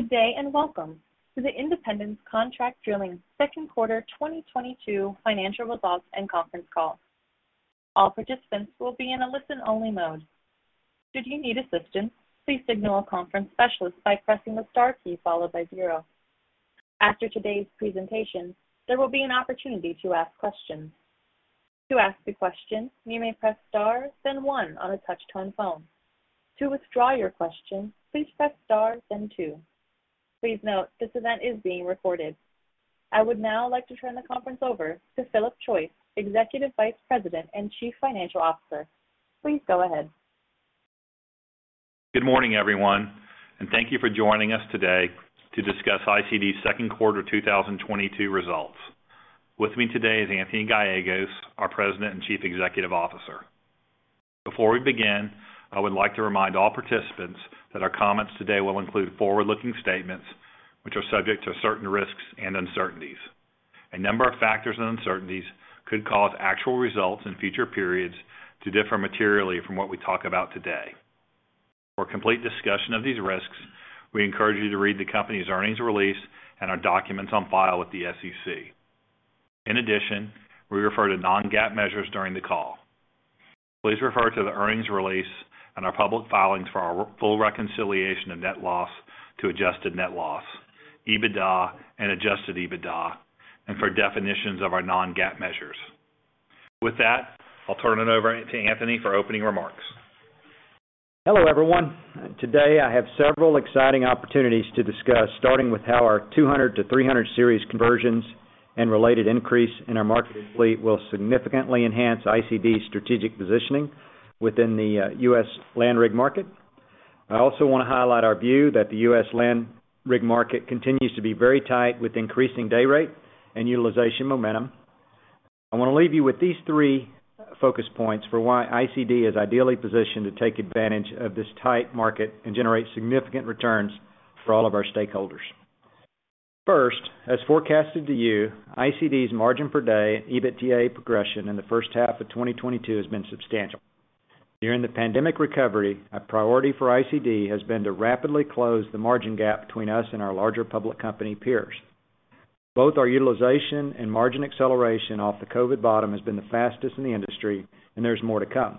Good day, and welcome to the Independence Contract Drilling Second Quarter 2022 Financial Results and Conference Call. All participants will be in a listen-only mode. Should you need assistance, please signal a conference specialist by pressing the star key followed by zero. After today's presentation, there will be an opportunity to ask questions. To ask a question, you may press star, then one on a touch-tone phone. To withdraw your question, please press star, then two. Please note this event is being recorded. I would now like to turn the conference over to Philip Choyce, Executive Vice President and Chief Financial Officer. Please go ahead. Good morning, everyone, and thank you for joining us today to discuss ICD's Second Quarter 2022 Results. With me today is Anthony Gallegos, our President and Chief Executive Officer. Before we begin, I would like to remind all participants that our comments today will include forward-looking statements which are subject to certain risks and uncertainties. A number of factors and uncertainties could cause actual results in future periods to differ materially from what we talk about today. For a complete discussion of these risks, we encourage you to read the company's earnings release and our documents on file with the SEC. In addition, we refer to non-GAAP measures during the call. Please refer to the earnings release and our public filings for our full reconciliation of net loss to adjusted net loss, EBITDA and Adjusted EBITDA, and for definitions of our non-GAAP measures. With that, I'll turn it over to Anthony for opening remarks. Hello, everyone. Today, I have several exciting opportunities to discuss, starting with how our 200-300 Series conversions and related increase in our marketed fleet will significantly enhance ICD's strategic positioning within the U.S. land rig market. I also wanna highlight our view that the U.S. land rig market continues to be very tight with increasing day rate and utilization momentum. I wanna leave you with these three focus points for why ICD is ideally positioned to take advantage of this tight market and generate significant returns for all of our stakeholders. First, as forecasted to you, ICD's margin per day and EBITDA progression in the first half of 2022 has been substantial. During the pandemic recovery, a priority for ICD has been to rapidly close the margin gap between us and our larger public company peers. Both our utilization and margin acceleration off the COVID bottom has been the fastest in the industry, and there's more to come.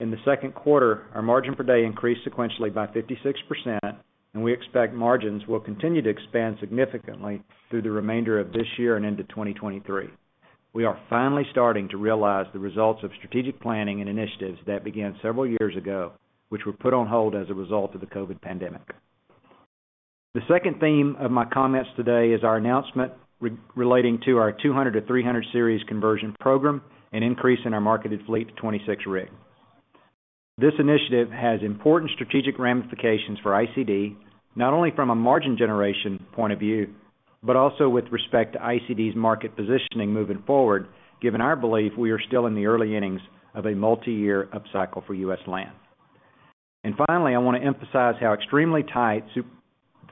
In the second quarter, our margin per day increased sequentially by 56%, and we expect margins will continue to expand significantly through the remainder of this year and into 2023. We are finally starting to realize the results of strategic planning and initiatives that began several years ago, which were put on hold as a result of the COVID pandemic. The second theme of my comments today is our announcement relating to our 200-300 Series conversion program and increase in our marketed fleet to 26 rigs. This initiative has important strategic ramifications for ICD, not only from a margin generation point of view, but also with respect to ICD's market positioning moving forward, given our belief we are still in the early innings of a multi-year upcycle for U.S. land. Finally, I wanna emphasize how extremely tight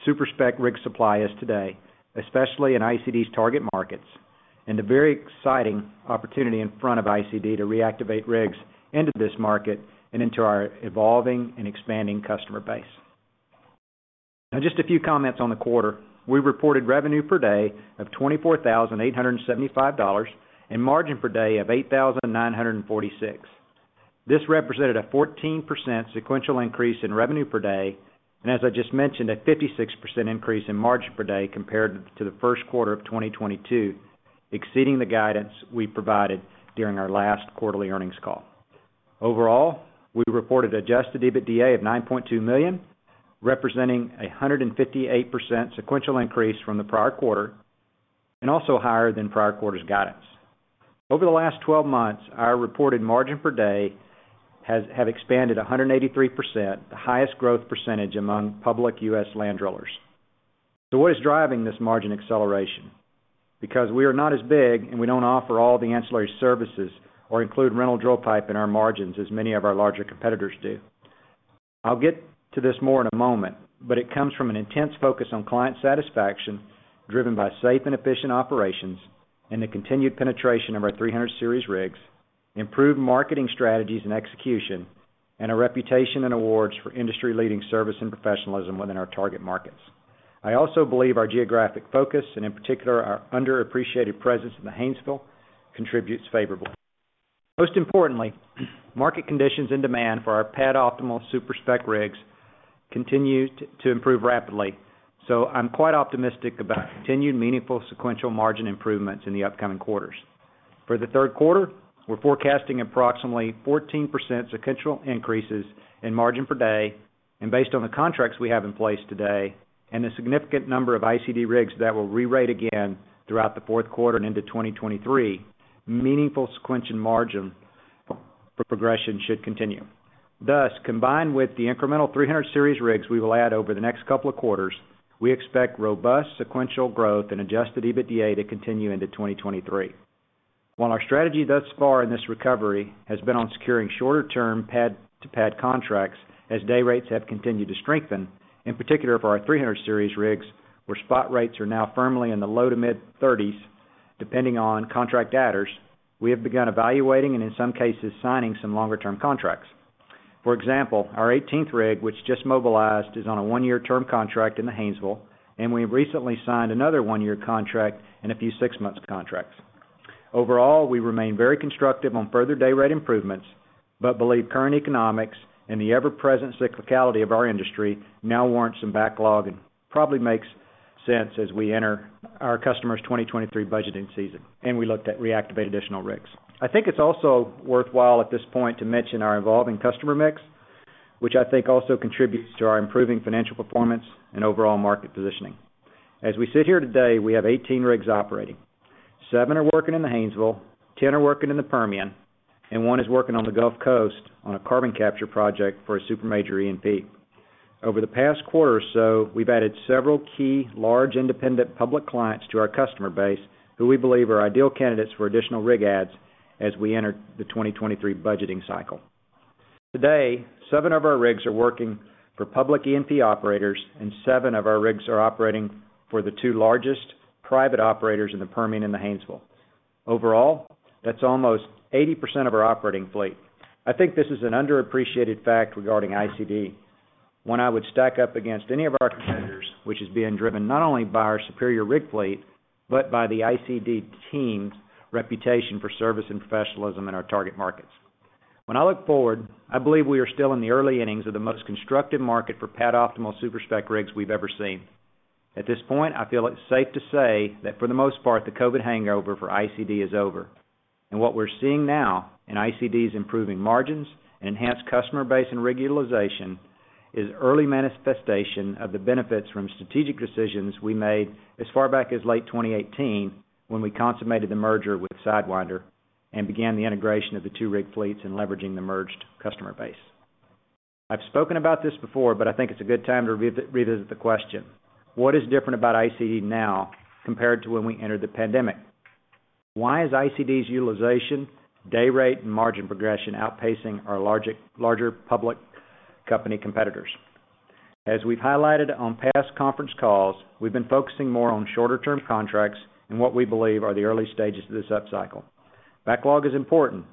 super-spec rig supply is today, especially in ICD's target markets, and the very exciting opportunity in front of ICD to reactivate rigs into this market and into our evolving and expanding customer base. Now just a few comments on the quarter. We reported revenue per day of $24,875 and margin per day of $8,946. This represented a 14% sequential increase in revenue per day and, as I just mentioned, a 56% increase in margin per day compared to the first quarter of 2022, exceeding the guidance we provided during our last quarterly earnings call. Overall, we reported Adjusted EBITDA of $9.2 million, representing a 158% sequential increase from the prior quarter, and also higher than prior quarter's guidance. Over the last 12 months, our reported margin per day have expanded 183%, the highest growth percentage among public U.S. land drillers. What is driving this margin acceleration? Because we are not as big and we don't offer all the ancillary services or include rental drill pipe in our margins as many of our larger competitors do. I'll get to this more in a moment, but it comes from an intense focus on client satisfaction driven by safe and efficient operations, and the continued penetration of our 300 Series rigs, improved marketing strategies and execution, and a reputation and awards for industry-leading service and professionalism within our target markets. I also believe our geographic focus, and in particular, our underappreciated presence in the Haynesville, contributes favorably. Most importantly, market conditions and demand for our pad-optimal super-spec rigs continue to improve rapidly. I'm quite optimistic about continued meaningful sequential margin improvements in the upcoming quarters. For the third quarter, we're forecasting approximately 14% sequential increases in margin per day. Based on the contracts we have in place today and the significant number of ICD rigs that will re-rate again throughout the fourth quarter and into 2023, meaningful sequential margin progression should continue. Thus, combined with the incremental 300 Series rigs we will add over the next couple of quarters, we expect robust sequential growth in Adjusted EBITDA to continue into 2023. While our strategy thus far in this recovery has been on securing shorter term pad to pad contracts as day rates have continued to strengthen, in particular for our 300 Series rigs where spot rates are now firmly in the low to mid-$30,000s. Depending on contract adders, we have begun evaluating and in some cases, signing some longer term contracts. For example, our 18th rig, which just mobilized, is on a one year term contract in the Haynesville, and we have recently signed another one year contract and a few six month contracts. Overall, we remain very constructive on further dayrate improvements, but believe current economics and the ever-present cyclicality of our industry now warrants some backlog and probably makes sense as we enter our customers' 2023 budgeting season, and we look to reactivate additional rigs. I think it's also worthwhile at this point to mention our evolving customer mix, which I think also contributes to our improving financial performance and overall market positioning. As we sit here today, we have 18 rigs operating. Seven are working in the Haynesville, 10 are working in the Permian, and one is working on the Gulf Coast on a carbon capture project for a super major E&P. Over the past quarter or so, we've added several key large independent public clients to our customer base who we believe are ideal candidates for additional rig adds as we enter the 2023 budgeting cycle. Today, seven of our rigs are working for public E&P operators, and seven of our rigs are operating for the two largest private operators in the Permian and the Haynesville. Overall, that's almost 80% of our operating fleet. I think this is an underappreciated fact regarding ICD. One I would stack up against any of our competitors, which is being driven not only by our superior rig fleet, but by the ICD team's reputation for service and professionalism in our target markets. When I look forward, I believe we are still in the early innings of the most constructive market for pad-optimal super-spec rigs we've ever seen. At this point, I feel it's safe to say that for the most part, the COVID hangover for ICD is over. What we're seeing now in ICD's improving margins, enhanced customer base, and rig utilization is early manifestation of the benefits from strategic decisions we made as far back as late 2018 when we consummated the merger with Sidewinder and began the integration of the two rig fleets and leveraging the merged customer base. I've spoken about this before, but I think it's a good time to revisit the question: What is different about ICD now compared to when we entered the pandemic? Why is ICD's utilization, dayrate, and margin progression outpacing our larger public company competitors? As we've highlighted on past conference calls, we've been focusing more on shorter term contracts in what we believe are the early stages of this upcycle. Backlog is important,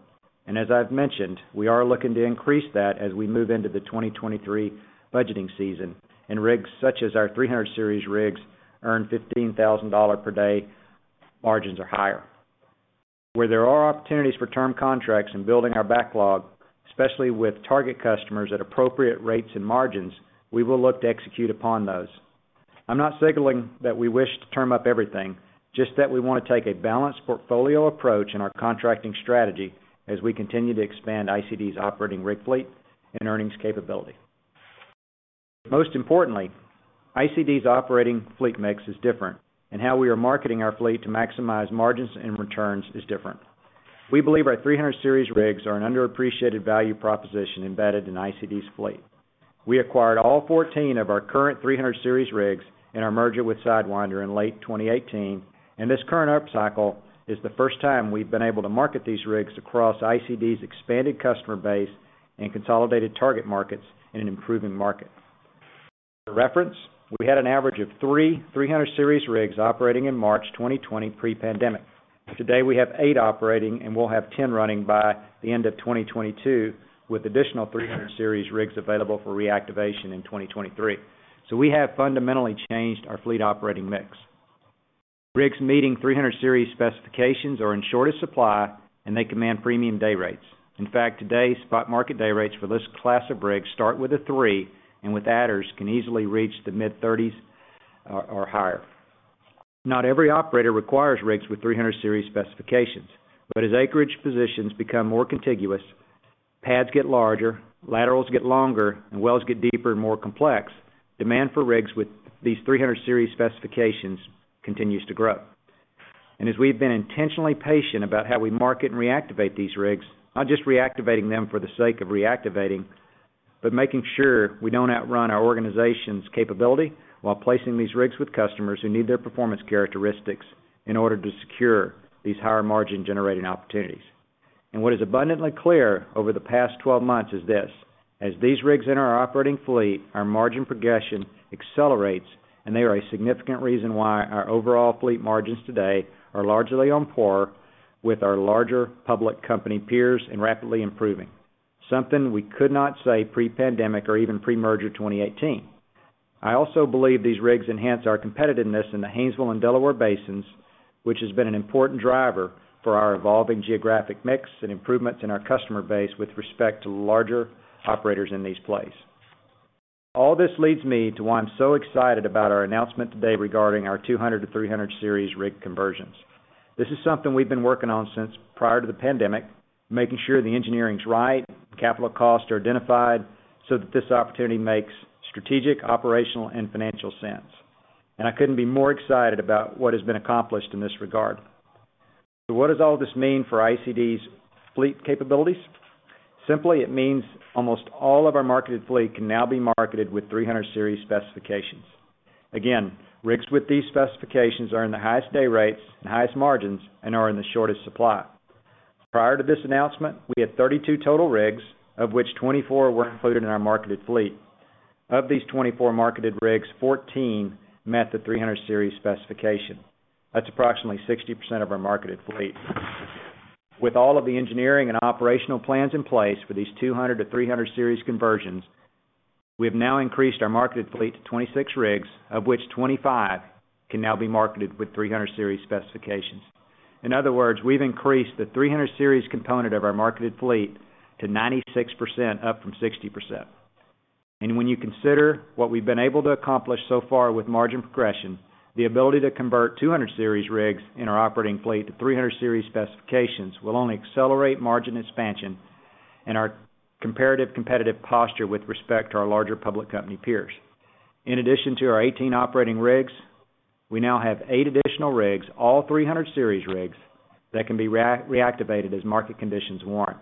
and as I've mentioned, we are looking to increase that as we move into the 2023 budgeting season, and rigs such as our 300 Series rigs earn $15,000 per day margins or higher. Where there are opportunities for term contracts in building our backlog, especially with target customers at appropriate rates and margins, we will look to execute upon those. I'm not signaling that we wish to term up everything, just that we wanna take a balanced portfolio approach in our contracting strategy as we continue to expand ICD's operating rig fleet and earnings capability. Most importantly, ICD's operating fleet mix is different, and how we are marketing our fleet to maximize margins and returns is different. We believe our 300 Series rigs are an underappreciated value proposition embedded in ICD's fleet. We acquired all 14 of our current 300 Series rigs in our merger with Sidewinder in late 2018, and this current upcycle is the first time we've been able to market these rigs across ICD's expanded customer base and consolidated target markets in an improving market. For reference, we had an average of three 300 Series rigs operating in March 2020 pre-pandemic. Today, we have eight operating, and we'll have 10 running by the end of 2022, with additional 300 Series rigs available for reactivation in 2023. We have fundamentally changed our fleet operating mix. Rigs meeting 300 Series specifications are in shorter supply, and they command premium dayrates. In fact, today's spot market dayrates for this class of rigs start with a $30,000, and with adders, can easily reach the mid-$30,000s or higher. Not every operator requires rigs with 300 Series specifications. As acreage positions become more contiguous, pads get larger, laterals get longer, and wells get deeper and more complex, demand for rigs with these 300 Series specifications continues to grow. As we've been intentionally patient about how we market and reactivate these rigs, not just reactivating them for the sake of reactivating, but making sure we don't outrun our organization's capability while placing these rigs with customers who need their performance characteristics in order to secure these higher margin generating opportunities. What is abundantly clear over the past 12 months is this: as these rigs enter our operating fleet, our margin progression accelerates, and they are a significant reason why our overall fleet margins today are largely on par with our larger public company peers and rapidly improving. Something we could not say pre-pandemic or even pre-merger 2018. I also believe these rigs enhance our competitiveness in the Haynesville and Delaware Basins, which has been an important driver for our evolving geographic mix and improvements in our customer base with respect to larger operators in these plays. All this leads me to why I'm so excited about our announcement today regarding our 200-300 Series rig conversions. This is something we've been working on since prior to the pandemic, making sure the engineering's right, capital costs are identified, so that this opportunity makes strategic, operational, and financial sense. I couldn't be more excited about what has been accomplished in this regard. What does all this mean for ICD's fleet capabilities? Simply, it means almost all of our marketed fleet can now be marketed with 300 Series specifications. Rigs with these specifications are in the highest dayrates and highest margins and are in the shortest supply. Prior to this announcement, we had 32 total rigs, of which 24 were included in our marketed fleet. Of these 24 marketed rigs, 14 met the 300 Series specification. That's approximately 60% of our marketed fleet. With all of the engineering and operational plans in place for these 200-300 Series conversions, we have now increased our marketed fleet to 26 rigs, of which 25 can now be marketed with 300 Series specifications. In other words, we've increased the 300 Series component of our marketed fleet to 96%, up from 60%. When you consider what we've been able to accomplish so far with margin progression, the ability to convert 200 Series rigs in our operating fleet to 300 Series specifications will only accelerate margin expansion and our comparative competitive posture with respect to our larger public company peers. In addition to our 18 operating rigs, we now have eight additional rigs, all 300 Series rigs, that can be reactivated as market conditions warrant.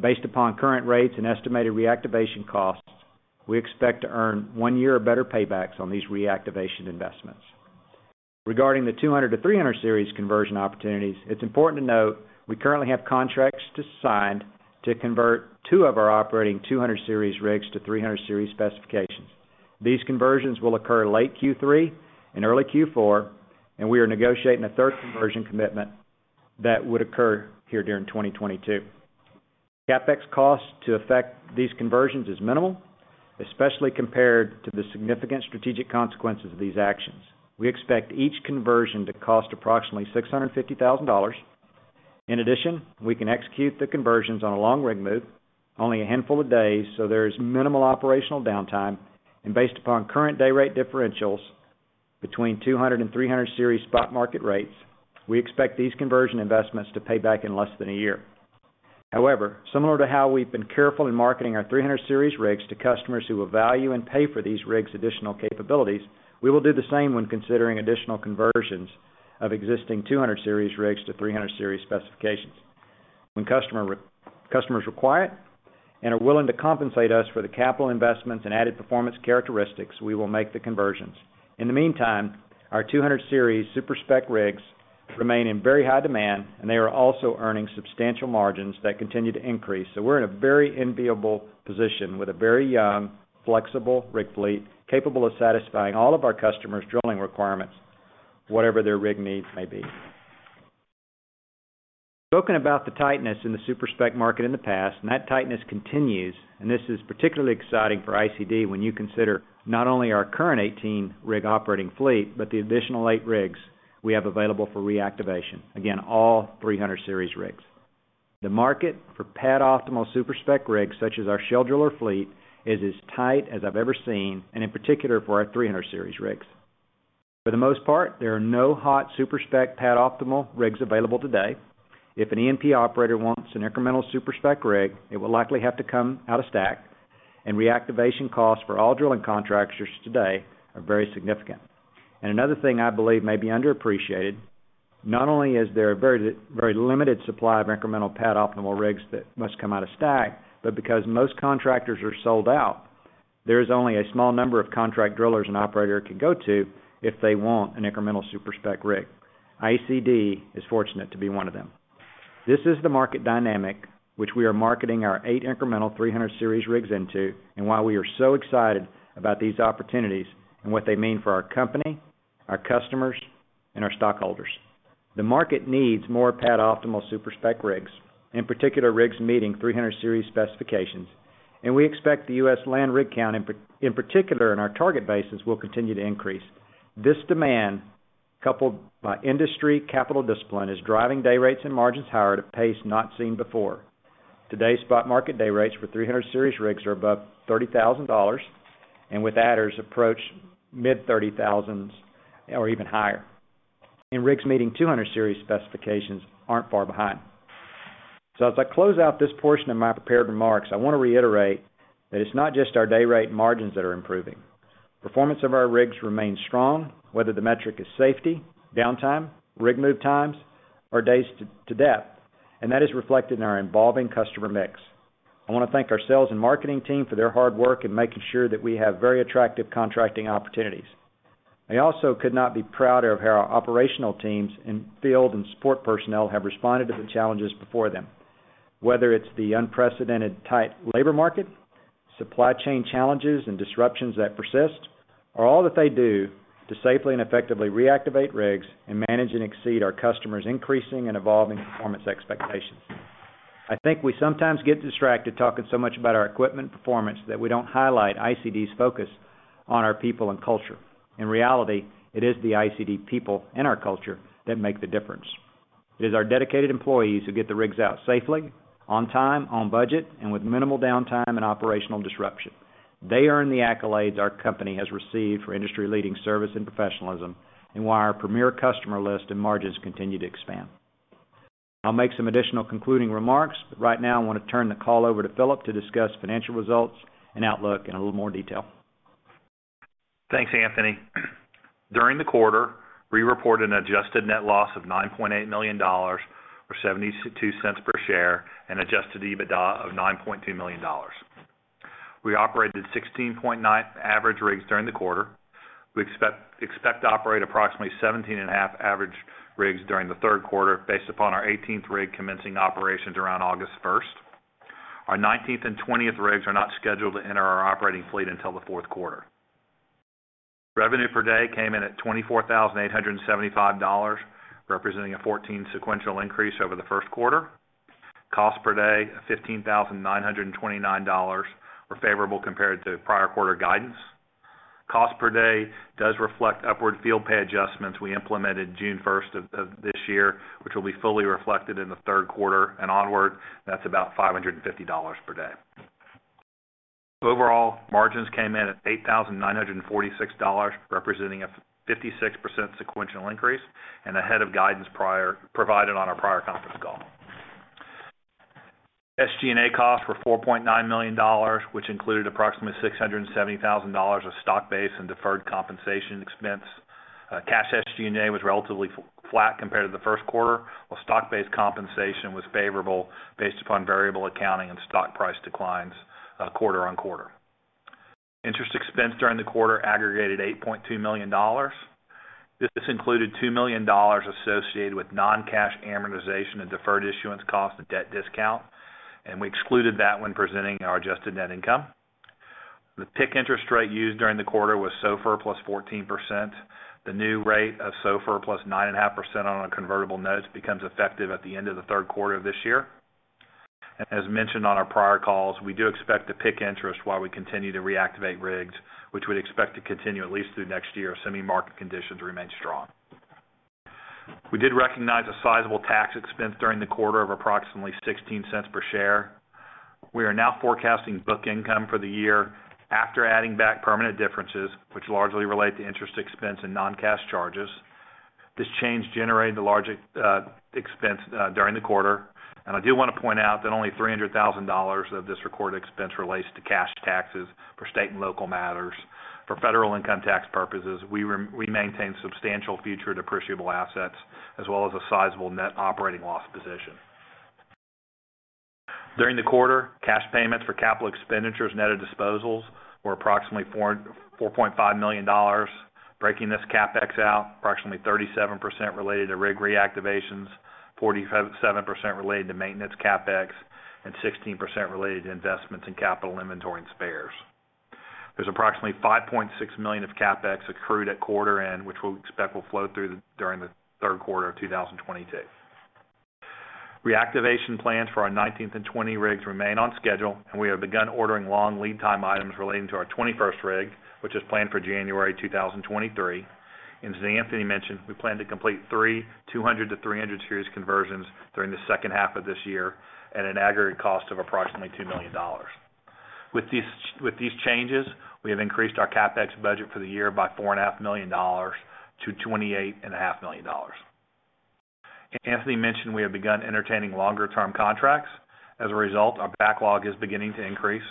Based upon current rates and estimated reactivation costs, we expect to earn one year or better paybacks on these reactivation investments. Regarding the 200-300 Series conversion opportunities, it's important to note we currently have contracts to sign to convert two of our operating 200 Series rigs to 300 Series specifications. These conversions will occur late Q3 and early Q4, and we are negotiating a third conversion commitment that would occur here during 2022. CapEx cost to affect these conversions is minimal, especially compared to the significant strategic consequences of these actions. We expect each conversion to cost approximately $650,000. In addition, we can execute the conversions on a long rig move, only a handful of days, so there is minimal operational downtime. Based upon current day rate differentials between 200 and 300 Series spot market rates, we expect these conversion investments to pay back in less than a year. However, similar to how we've been careful in marketing our 300 Series rigs to customers who will value and pay for these rigs additional capabilities, we will do the same when considering additional conversions of existing 200 Series rigs to 300 Series specifications. When customers require it and are willing to compensate us for the capital investments and added performance characteristics, we will make the conversions. In the meantime, our 200 Series super-spec rigs remain in very high demand, and they are also earning substantial margins that continue to increase. We're in a very enviable position with a very young, flexible rig fleet capable of satisfying all of our customers' drilling requirements, whatever their rig needs may be. Spoken about the tightness in the super-spec market in the past, and that tightness continues, and this is particularly exciting for ICD when you consider not only our current 18-rig operating fleet, but the additional eight rigs we have available for reactivation. Again, all 300 Series rigs. The market for pad-optimal super-spec rigs such as our ShaleDriller fleet is as tight as I've ever seen, and in particular for our 300 Series rigs. For the most part, there are no hot super-spec pad-optimal rigs available today. If an E&P operator wants an incremental super-spec rig, it will likely have to come out of stack, and reactivation costs for all drilling contractors today are very significant. Another thing I believe may be underappreciated, not only is there a very limited supply of incremental pad-optimal rigs that must come out of stack, but because most contractors are sold out, there is only a small number of contract drillers an operator can go to if they want an incremental super-spec rig. ICD is fortunate to be one of them. This is the market dynamic which we are marketing our eight incremental 300 Series rigs into and why we are so excited about these opportunities and what they mean for our company, our customers, and our stockholders. The market needs more pad-optimal super-spec rigs, in particular rigs meeting 300 Series specifications. We expect the U.S. land rig count in particular in our target basins will continue to increase. This demand, coupled with industry capital discipline, is driving day rates and margins higher at a pace not seen before. Today's spot market day rates for 300 Series rigs are above $30,000, and with adders approaching mid-$30,000s or even higher. Rigs meeting 200 Series specifications aren't far behind. As I close out this portion of my prepared remarks, I wanna reiterate that it's not just our day rate margins that are improving. Performance of our rigs remains strong, whether the metric is safety, downtime, rig move times, or days to depth, and that is reflected in our evolving customer mix. I wanna thank our sales and marketing team for their hard work in making sure that we have very attractive contracting opportunities. I also could not be prouder of how our operational teams and field and support personnel have responded to the challenges before them, whether it's the unprecedented tight labor market, supply chain challenges and disruptions that persist, or all that they do to safely and effectively reactivate rigs and manage and exceed our customers' increasing and evolving performance expectations. I think we sometimes get distracted talking so much about our equipment performance that we don't highlight ICD's focus on our people and culture. In reality, it is the ICD people and our culture that make the difference. It is our dedicated employees who get the rigs out safely, on time, on budget, and with minimal downtime and operational disruption. They earn the accolades our company has received for industry-leading service and professionalism, and why our premier customer list and margins continue to expand. I'll make some additional concluding remarks, but right now I wanna turn the call over to Philip to discuss financial results and outlook in a little more detail. Thanks, Anthony. During the quarter, we reported an adjusted net loss of $9.8 million or $0.72 per share and Adjusted EBITDA of $9.2 million. We operated 16.9 average rigs during the quarter. We expect to operate approximately 17.5 average rigs during the third quarter based upon our 18th rig commencing operations around August 1st. Our 19th and 20th rigs are not scheduled to enter our operating fleet until the fourth quarter. Revenue per day came in at $24,875, representing a 14% sequential increase over the first quarter. Cost per day, $15,929 were favorable compared to prior quarter guidance. Cost per day does reflect upward field pay adjustments we implemented June 1st of this year, which will be fully reflected in the third quarter and onward. That's about $550 per day. Overall, margins came in at $8,946, representing a 56% sequential increase and ahead of guidance provided on our prior conference call. SG&A costs were $4.9 million, which included approximately $670,000 of stock-based and deferred compensation expense. Cash SG&A was relatively flat compared to the first quarter, while stock-based compensation was favorable based upon variable accounting and stock price declines, quarter-over-quarter. Interest expense during the quarter aggregated $8.2 million. This included $2 million associated with non-cash amortization and deferred issuance costs and debt discount, and we excluded that when presenting our adjusted net income. The PIK interest rate used during the quarter was SOFR plus 14%. The new rate of SOFR plus 9.5% on our convertible notes becomes effective at the end of the third quarter of this year. As mentioned on our prior calls, we do expect the PIK interest while we continue to reactivate rigs, which we'd expect to continue at least through next year, assuming market conditions remain strong. We did recognize a sizable tax expense during the quarter of approximately $0.16 per share. We are now forecasting book income for the year after adding back permanent differences, which largely relate to interest expense and non-cash charges. This change generated the large expense during the quarter. I do wanna point out that only $300,000 of this recorded expense relates to cash taxes for state and local matters. For federal income tax purposes, we maintain substantial future depreciable assets as well as a sizable net operating loss position. During the quarter, cash payments for capital expenditures, net of disposals, were approximately $4.5 million. Breaking this CapEx out, approximately 37% related to rig reactivations, 47% related to maintenance CapEx, and 16% related to investments in capital inventory and spares. There's approximately $5.6 million of CapEx accrued at quarter end, which we expect will flow through during the third quarter of 2022. Reactivation plans for our 19th and 20th rigs remain on schedule, and we have begun ordering long lead time items relating to our 21st rig, which is planned for January 2023. As Anthony mentioned, we plan to complete three, 200-300 Series conversions during the second half of this year at an aggregate cost of approximately $2 million. With these changes, we have increased our CapEx budget for the year by $4.5 million to $28.5 million. As Anthony mentioned, we have begun entertaining longer term contracts. As a result, our backlog is beginning to increase.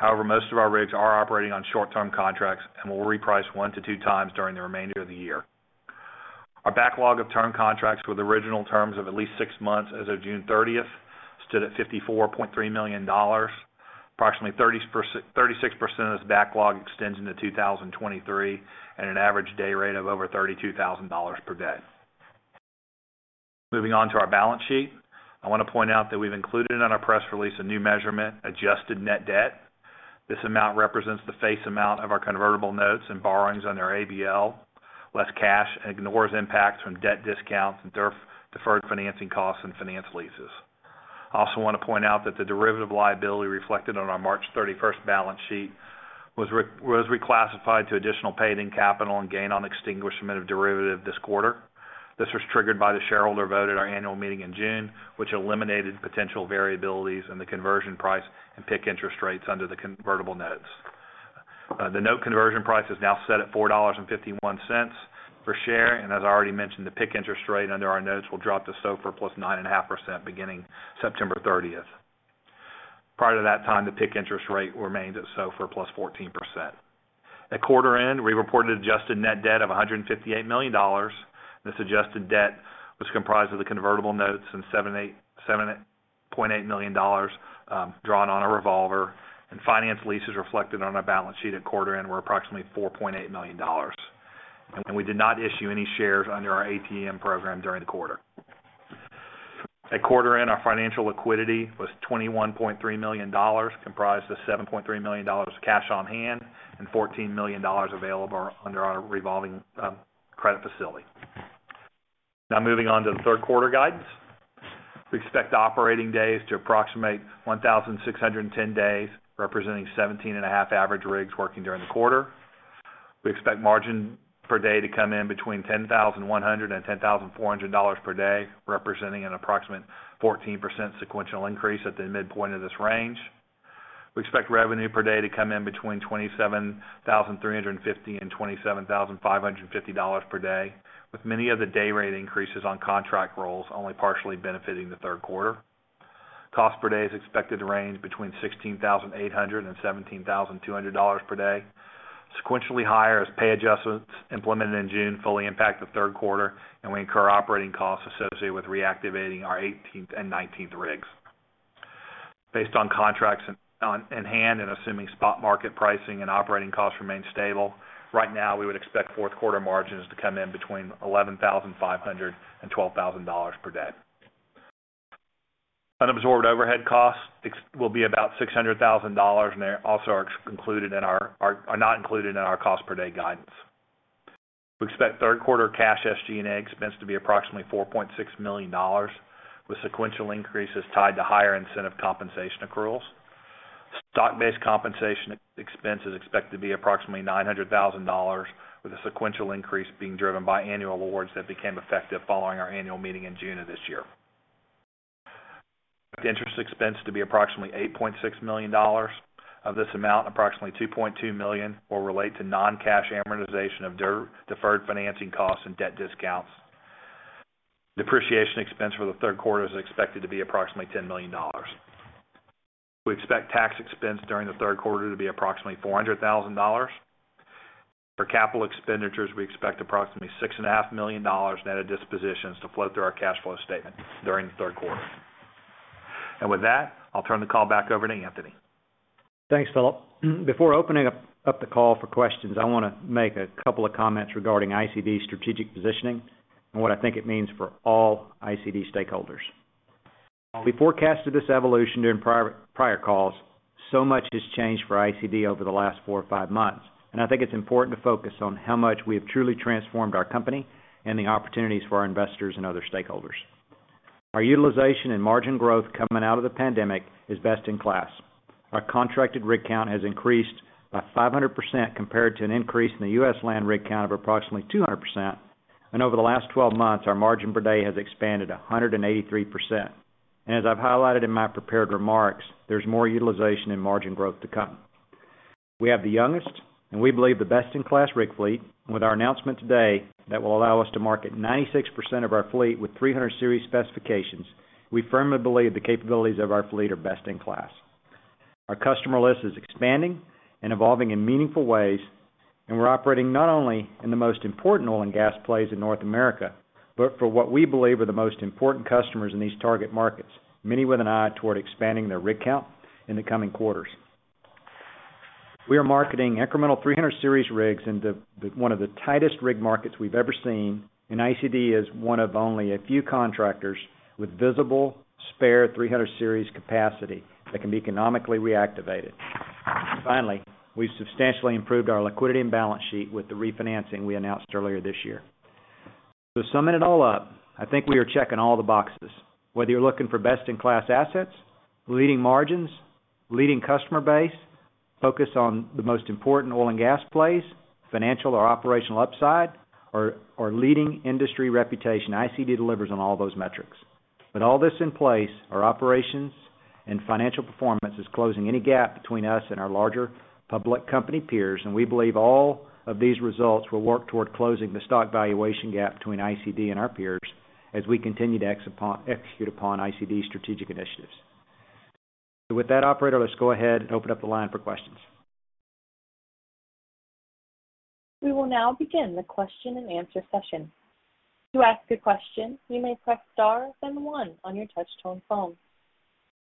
However, most of our rigs are operating on short-term contracts and will reprice one to two times during the remainder of the year. Our backlog of term contracts with original terms of at least six months as of June 30th stood at $54.3 million. Approximately 36% of this backlog extends into 2023 at an average day rate of over $32,000 per day. Moving on to our balance sheet. I wanna point out that we've included on our press release a new measurement, adjusted net debt. This amount represents the face amount of our convertible notes and borrowings on our ABL, less cash, and ignores impacts from debt discounts and deferred financing costs and finance leases. I also wanna point out that the derivative liability reflected on our March 31st balance sheet was reclassified to additional paid-in capital and gain on extinguishment of derivative this quarter. This was triggered by the shareholder vote at our annual meeting in June, which eliminated potential variabilities in the conversion price and PIK interest rates under the convertible notes. The note conversion price is now set at $4.51 per share. As I already mentioned, the PIK interest rate under our notes will drop to SOFR plus 9.5% beginning September 30th. Prior to that time, the PIK interest rate remained at SOFR plus 14%. At quarter end, we reported adjusted net debt of $158 million. This adjusted debt was comprised of the convertible notes and $7.8 million drawn on our revolver, and finance leases reflected on our balance sheet at quarter end were approximately $4.8 million. We did not issue any shares under our ATM program during the quarter. At quarter end, our financial liquidity was $21.3 million, comprised of $7.3 million of cash on hand and $14 million available under our revolving credit facility. Now moving on to the third quarter guidance. We expect operating days to approximate 1,610 days, representing 17.5 average rigs working during the quarter. We expect margin per day to come in between $10,100 and $10,400 per day, representing an approximate 14% sequential increase at the midpoint of this range. We expect revenue per day to come in between $27,350 and $27,550 per day, with many of the day rate increases on contract rolls only partially benefiting the third quarter. Cost per day is expected to range between $16,800 and $17,200 per day. Sequentially higher as pay adjustments implemented in June fully impact the third quarter, and we incur operating costs associated with reactivating our 18th and 19th rigs. Based on contracts in hand and assuming spot market pricing and operating costs remain stable, right now, we would expect fourth quarter margins to come in between $11,500 and $12,000 per day. Unabsorbed overhead costs will be about $600 thousand, and they also are not included in our cost per day guidance. We expect third quarter cash SG&A expense to be approximately $4.6 million, with sequential increases tied to higher incentive compensation accruals. Stock-based compensation expense is expected to be approximately $900 thousand, with a sequential increase being driven by annual awards that became effective following our annual meeting in June of this year. The interest expense to be approximately $8.6 million. Of this amount, approximately $2.2 million will relate to non-cash amortization of deferred financing costs and debt discounts. Depreciation expense for the third quarter is expected to be approximately $10 million. We expect tax expense during the third quarter to be approximately $400 thousand. For capital expenditures, we expect approximately $6.5 million net of dispositions to flow through our cash flow statement during the third quarter. With that, I'll turn the call back over to Anthony. Thanks, Philip. Before opening up the call for questions, I wanna make a couple of comments regarding ICD's strategic positioning and what I think it means for all ICD stakeholders. While we forecasted this evolution during prior calls, so much has changed for ICD over the last four or five months, and I think it's important to focus on how much we have truly transformed our company and the opportunities for our investors and other stakeholders. Our utilization and margin growth coming out of the pandemic is best in class. Our contracted rig count has increased by 500% compared to an increase in the U.S. land rig count of approximately 200%. Over the last 12 months, our margin per day has expanded 183%. As I've highlighted in my prepared remarks, there's more utilization and margin growth to come. We have the youngest, and we believe the best-in-class rig fleet. With our announcement today, that will allow us to market 96% of our fleet with 300 Series specifications. We firmly believe the capabilities of our fleet are best in class. Our customer list is expanding and evolving in meaningful ways, and we're operating not only in the most important oil and gas plays in North America, but for what we believe are the most important customers in these target markets, many with an eye toward expanding their rig count in the coming quarters. We are marketing incremental 300 Series rigs into the one of the tightest rig markets we've ever seen, and ICD is one of only a few contractors with visible spare 300 Series capacity that can be economically reactivated. Finally, we've substantially improved our liquidity and balance sheet with the refinancing we announced earlier this year. To sum it all up, I think we are checking all the boxes, whether you're looking for best-in-class assets, leading margins, leading customer base, focus on the most important oil and gas plays, financial or operational upside or leading industry reputation, ICD delivers on all those metrics. With all this in place, our operations and financial performance is closing any gap between us and our larger public company peers, and we believe all of these results will work toward closing the stock valuation gap between ICD and our peers as we continue to execute upon ICD's strategic initiatives. With that, operator, let's go ahead and open up the line for questions. We will now begin the question-and-answer session. To ask a question, you may press star then one on your touch tone phone.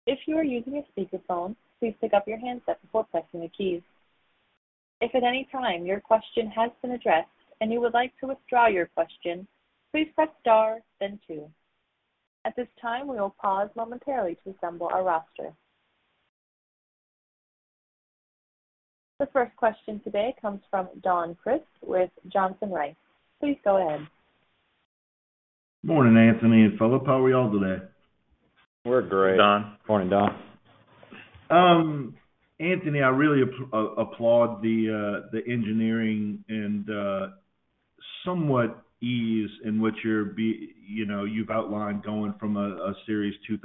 If you are using a speakerphone, please pick up your handset before pressing the keys. If at any time your question has been addressed and you would like to withdraw your question, please press star then two. At this time, we will pause momentarily to assemble our roster. The first question today comes from Don Crist with Johnson Rice. Please go ahead. Morning, Anthony and Philip. How are we all today? We're great. Morning, Don. Morning, Don. Anthony, I really applaud the engineering and somewhat ease in which you know, you've outlined going from a 200 Series to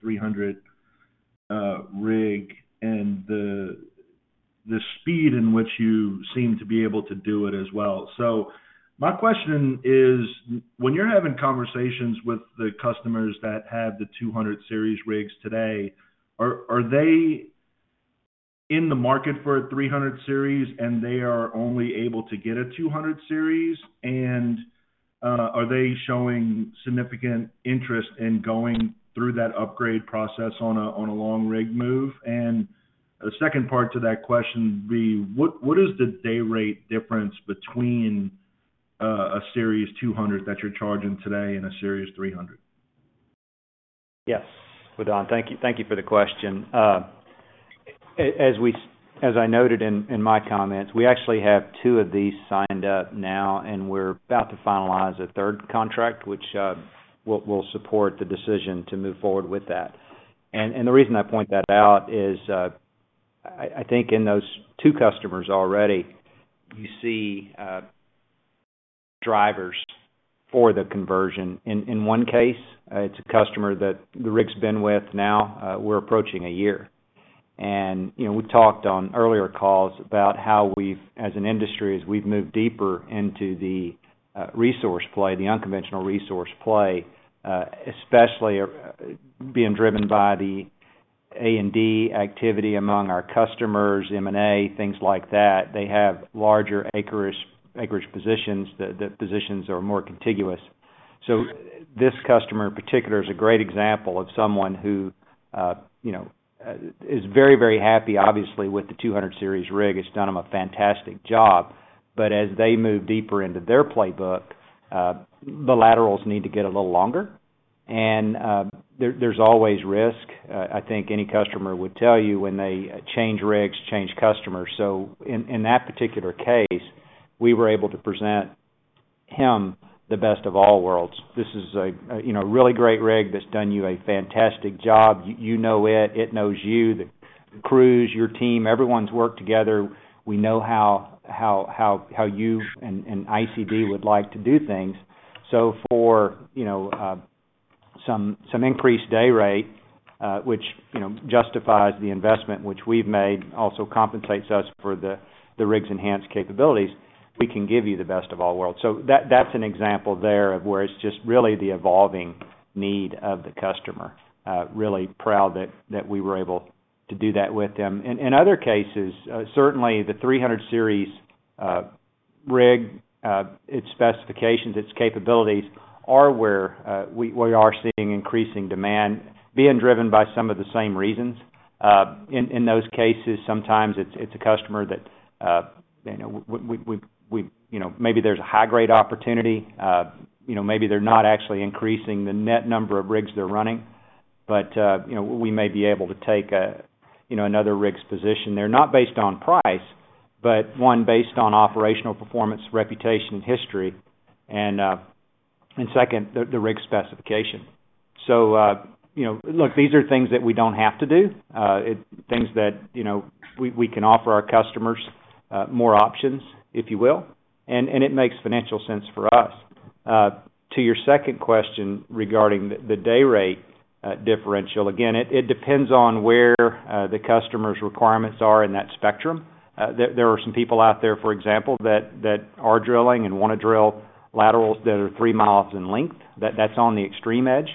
300 rig and the speed in which you seem to be able to do it as well. My question is, when you're having conversations with the customers that have the 200 Series rigs today, are they in the market for a 300 Series, and they are only able to get a 200 Series? Are they showing significant interest in going through that upgrade process on a long rig move? The second part to that question would be, what is the day rate difference between a 200 Series that you're charging today and a 300 Series? Yes. Well, Don, thank you for the question. As I noted in my comments, we actually have two of these signed up now, and we're about to finalize a third contract, which will support the decision to move forward with that. The reason I point that out is, I think in those two customers already, you see drivers for the conversion. In one case, it's a customer that the rig's been with now, we're approaching a year. You know, we talked on earlier calls about how we've, as an industry, as we've moved deeper into the resource play, the unconventional resource play, especially being driven by the A&D activity among our customers, M&A, things like that, they have larger acreage positions. The positions are more contiguous. This customer in particular is a great example of someone who, you know, is very, very happy obviously with the 200 Series rig. It's done them a fantastic job. But as they move deeper into their playbook, the laterals need to get a little longer. There's always risk. I think any customer would tell you when they change rigs, change customers. In that particular case, we were able to present him the best of all worlds. This is a, you know, really great rig that's done you a fantastic job. You know it knows you, the crews, your team, everyone's worked together. We know how you and ICD would like to do things. For you know some increased day rate, which you know justifies the investment which we've made, also compensates us for the rig's enhanced capabilities, we can give you the best of all worlds. That's an example there of where it's just really the evolving need of the customer. Really proud that we were able to do that with them. In other cases, certainly the 300 Series rig, its specifications, its capabilities are where we are seeing increasing demand being driven by some of the same reasons. In those cases, sometimes it's a customer that you know we you know maybe there's a high grade opportunity. You know, maybe they're not actually increasing the net number of rigs they're running, but you know, we may be able to take a you know, another rig's position. They're not based on price, but one based on operational performance, reputation, history, and second, the rig specification. You know, look, these are things that we don't have to do things that you know, we can offer our customers more options, if you will, and it makes financial sense for us. To your second question regarding the day rate differential, again, it depends on where the customer's requirements are in that spectrum. There are some people out there, for example, that are drilling and wanna drill laterals that are three miles in length. That's on the extreme edge.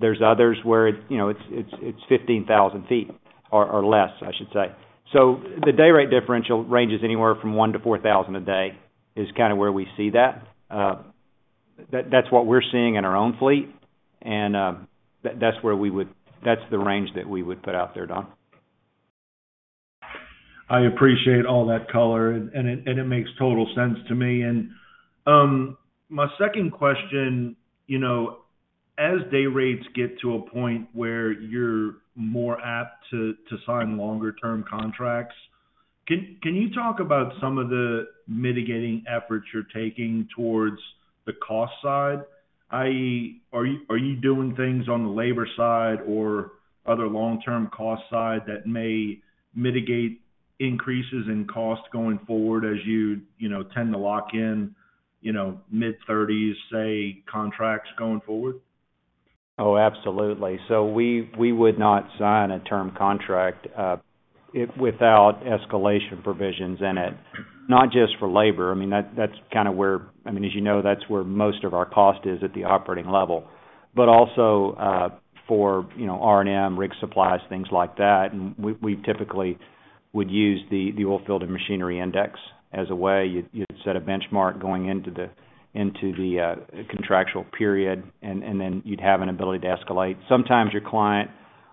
There's others where it, you know, it's 15,000 ft or less, I should say. The day rate differential ranges anywhere from $1,000-$4,000 a day is kinda where we see that. That's what we're seeing in our own fleet, and that's the range that we would put out there, Don. I appreciate all that color, and it makes total sense to me. My second question, you know, as day rates get to a point where you're more apt to sign longer term contracts, can you talk about some of the mitigating efforts you're taking towards the cost side, i.e., are you doing things on the labor side or other long-term cost side that may mitigate increases in cost going forward as you know, tend to lock in, you know, mid-$30,000s, say, contracts going forward? Oh, absolutely. We would not sign a term contract without escalation provisions in it, not just for labor. I mean, that's kinda where, as you know, that's where most of our cost is at the operating level. Also, for you know, R&M, rig supplies, things like that, and we typically would use the oilfield and machinery index as a way you'd set a benchmark going into the contractual period, and then you'd have an ability to escalate. Sometimes your client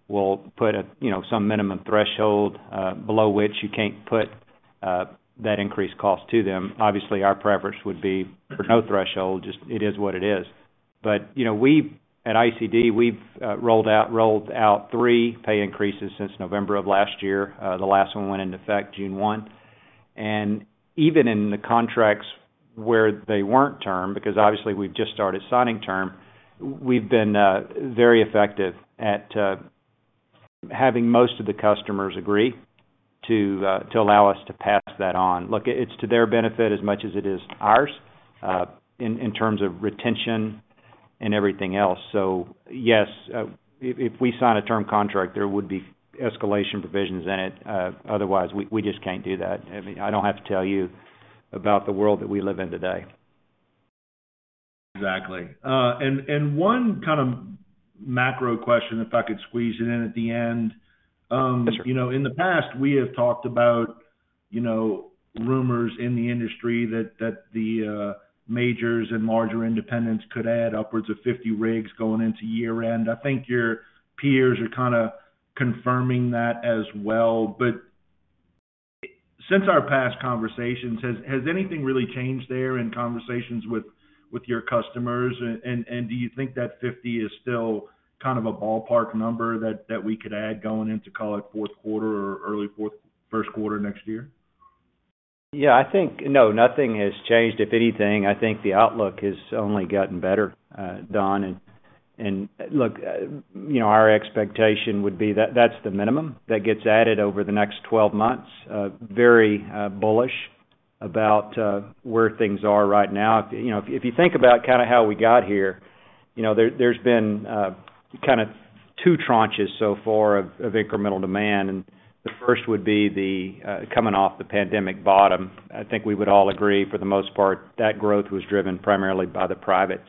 will put a you know, some minimum threshold below which you can't put that increased cost to them. Obviously, our preference would be for no threshold, just it is what it is. You know, at ICD, we've rolled out three pay increases since November of last year. The last one went into effect June 1. Even in the contracts where they weren't term, because obviously we've just started signing term, we've been very effective at having most of the customers agree to allow us to pass that on. Look, it's to their benefit as much as it is ours, in terms of retention and everything else. Yes, if we sign a term contract, there would be escalation provisions in it. Otherwise, we just can't do that. I mean, I don't have to tell you about the world that we live in today. Exactly. One kind of macro question, if I could squeeze it in at the end. Yes, sir. You know, in the past, we have talked about, you know, rumors in the industry that the majors and larger independents could add upwards of 50 rigs going into year-end. I think your peers are kinda confirming that as well. Since our past conversations, has anything really changed there in conversations with your customers? And do you think that 50 is still kind of a ballpark number that we could add going into, call it, fourth quarter or early first quarter next year? Yeah, nothing has changed. If anything, I think the outlook has only gotten better, Don. Look, you know, our expectation would be that that's the minimum that gets added over the next 12 months. Very bullish about where things are right now. You know, if you think about kinda how we got here, you know, there's been kinda two tranches so far of incremental demand, and the first would be the coming off the pandemic bottom. I think we would all agree for the most part that growth was driven primarily by the privates.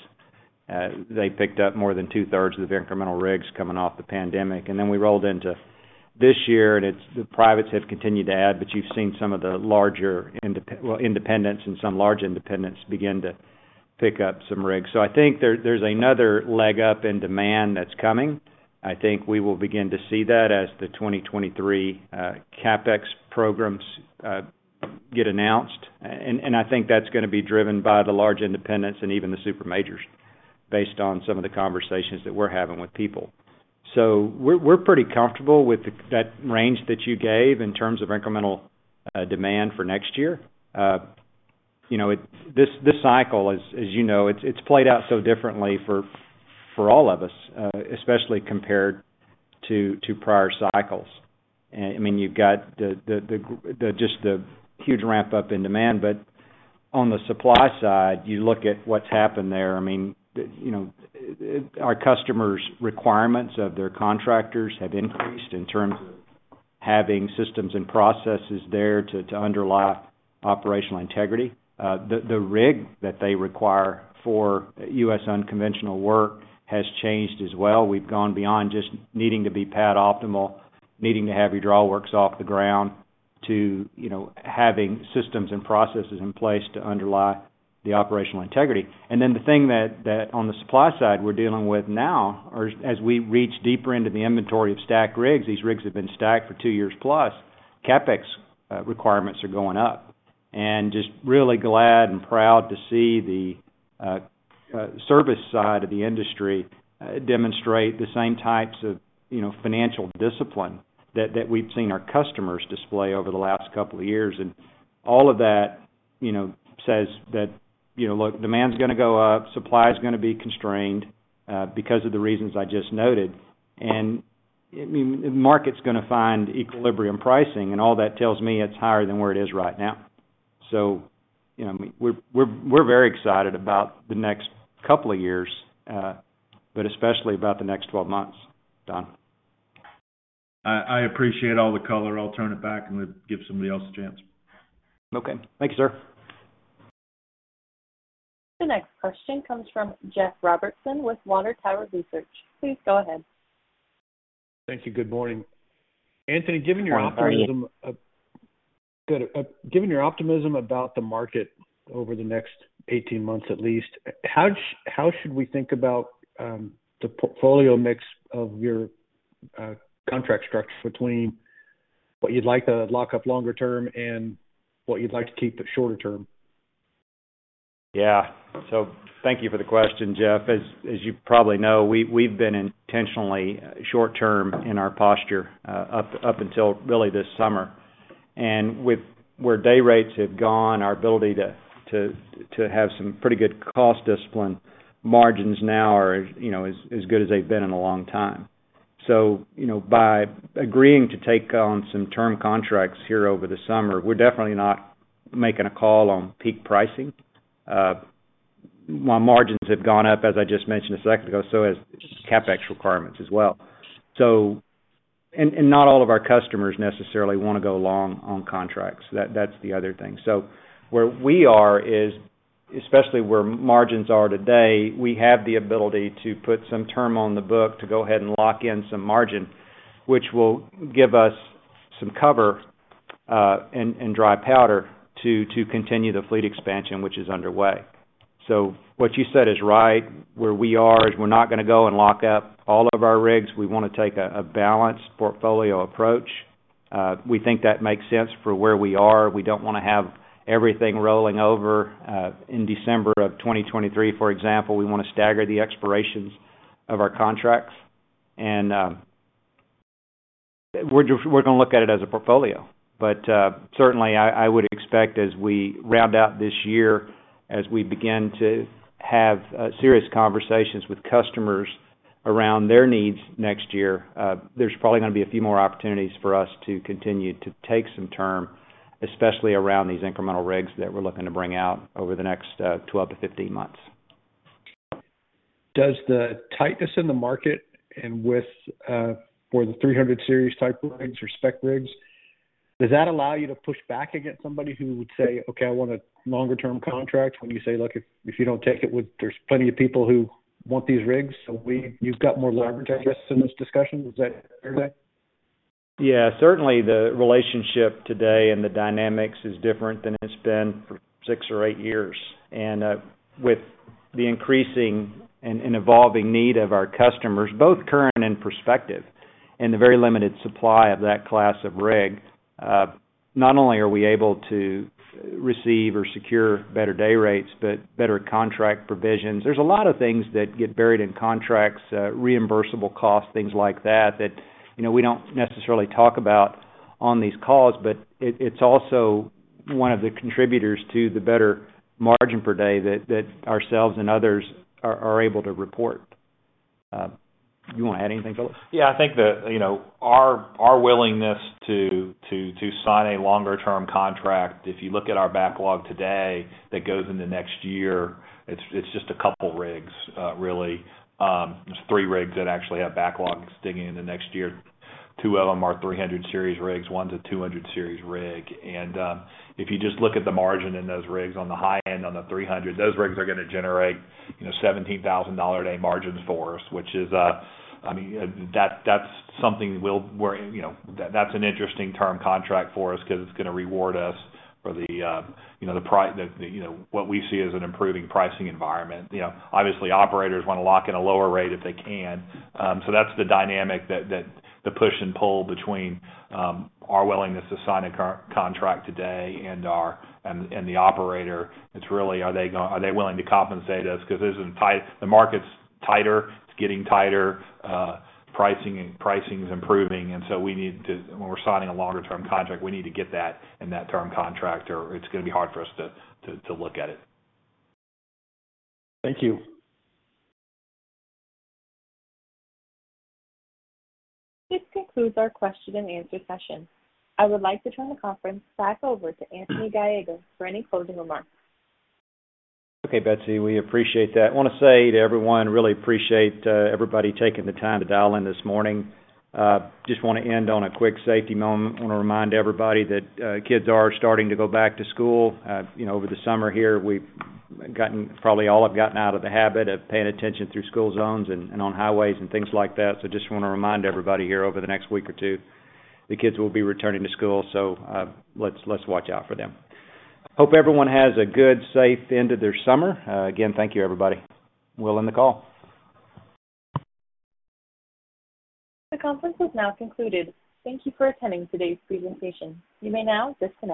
They picked up more than 2/3 Of their incremental rigs coming off the pandemic. We rolled into this year, and it's the privates have continued to add, but you've seen some of the larger, well, independents and some large independents begin to pick up some rigs. I think there's another leg up in demand that's coming. I think we will begin to see that as the 2023 CapEx programs get announced. I think that's gonna be driven by the large independents and even the super majors based on some of the conversations that we're having with people. We're pretty comfortable with that range that you gave in terms of incremental demand for next year. You know, this cycle is, as you know, it's played out so differently for all of us, especially compared to prior cycles. I mean, you've got just the huge ramp up in demand. On the supply side, you look at what's happened there. I mean, you know, our customers' requirements of their contractors have increased in terms of having systems and processes there to underlie operational integrity. The rig that they require for U.S. unconventional work has changed as well. We've gone beyond just needing to be pad-optimal, needing to have your drawworks off the ground to, you know, having systems and processes in place to underlie the operational integrity. Then the thing that on the supply side we're dealing with now are, as we reach deeper into the inventory of stacked rigs, these rigs have been stacked for two years plus, CapEx requirements are going up. Just really glad and proud to see the service side of the industry demonstrate the same types of, you know, financial discipline that we've seen our customers display over the last couple of years. All of that, you know, says that, you know, look, demand's gonna go up, supply is gonna be constrained because of the reasons I just noted. It means the market's gonna find equilibrium pricing, and all that tells me it's higher than where it is right now. You know, we're very excited about the next couple of years, but especially about the next 12 months. Don. I appreciate all the color. I'll turn it back and give somebody else a chance. Okay. Thank you, sir. The next question comes from Jeff Robertson with Water Tower Research. Please go ahead. Thank you. Good morning. Anthony, given your optimism. Good morning. Good. Given your optimism about the market over the next 18 months at least, how should we think about the portfolio mix of your contract structure between what you'd like to lock up longer term and what you'd like to keep the shorter term? Yeah. Thank you for the question, Jeff. As you probably know, we've been intentionally short-term in our posture up until really this summer. With where day rates have gone, our ability to have some pretty good cost discipline, margins now are, you know, as good as they've been in a long time. You know, by agreeing to take on some term contracts here over the summer, we're definitely not making a call on peak pricing. While margins have gone up, as I just mentioned a second ago, so has CapEx requirements as well. Not all of our customers necessarily wanna go long on contracts. That's the other thing. Where we are is, especially where margins are today, we have the ability to put some term on the book to go ahead and lock in some margin, which will give us some cover, and dry powder to continue the fleet expansion which is underway. What you said is right. Where we are is we're not gonna go and lock up all of our rigs. We wanna take a balanced portfolio approach. We think that makes sense for where we are. We don't wanna have everything rolling over in December of 2023, for example. We wanna stagger the expirations of our contracts. We're gonna look at it as a portfolio. Certainly, I would expect as we round out this year, as we begin to have serious conversations with customers around their needs next year, there's probably gonna be a few more opportunities for us to continue to take some term, especially around these incremental rigs that we're looking to bring out over the next 12-15 months. Does the tightness in the market for the 300 Series-type rigs or super-spec rigs allow you to push back against somebody who would say, "Okay, I want a longer term contract," when you say, "Look, if you don't take it, there's plenty of people who want these rigs." You've got more leverage, I guess, in this discussion. Is that fair to say? Yeah. Certainly, the relationship today and the dynamics is different than it's been for six or eight years. With the increasing and evolving need of our customers, both current and prospective, and the very limited supply of that class of rig, not only are we able to receive or secure better day rates, but better contract provisions. There's a lot of things that get buried in contracts, reimbursable costs, things like that you know, we don't necessarily talk about on these calls, but it's also one of the contributors to the better margin per day that ourselves and others are able to report. You wanna add anything, Philip? Yeah. I think the, you know, our willingness to sign a longer term contract, if you look at our backlog today that goes into next year, it's just a couple rigs, really. There's three rigs that actually have backlogs digging into next year. Two of them are 300 Series rigs, one's a 200 Series rig. If you just look at the margin in those rigs on the high end on the 300, those rigs are gonna generate, you know, $17,000-a-day margins for us, which is, I mean, that's something we're, you know, that's an interesting term contract for us 'cause it's gonna reward us for the, you know, what we see as an improving pricing environment. You know, obviously, operators wanna lock in a lower rate if they can. That's the dynamic that the push and pull between our willingness to sign a contract today and the operator. It's really are they willing to compensate us? 'Cause this is tight. The market's tighter. It's getting tighter. Pricing is improving, and so we need when we're signing a longer term contract, we need to get that in that term contract, or it's gonna be hard for us to look at it. Thank you. This concludes our question and answer session. I would like to turn the conference back over to Anthony Gallegos for any closing remarks. Okay, Betsy. We appreciate that. I wanna say to everyone, really appreciate everybody taking the time to dial in this morning. Just wanna end on a quick safety moment. I wanna remind everybody that kids are starting to go back to school. You know, over the summer here, probably all have gotten out of the habit of paying attention through school zones and on highways and things like that. Just wanna remind everybody here over the next week or two, the kids will be returning to school, so let's watch out for them. Hope everyone has a good, safe end of their summer. Again, thank you, everybody. We'll end the call. The conference is now concluded. Thank you for attending today's presentation. You may now disconnect.